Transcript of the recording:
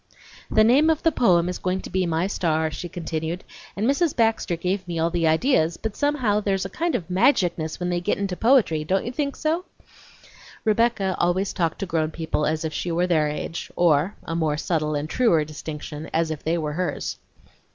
"The name of the poem is going to be My Star,'" she continued, "and Mrs. Baxter gave me all the ideas, but somehow there's a kind of magicness when they get into poetry, don't you think so?" (Rebecca always talked to grown people as if she were their age, or, a more subtle and truer distinction, as if they were hers.)